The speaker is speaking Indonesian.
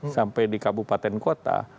sampai di kabupaten kota